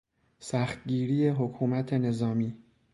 سختگیری حکومت نظامی